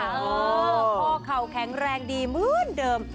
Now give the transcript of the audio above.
พ่อเขาแข็งแรงดีมืดเดิม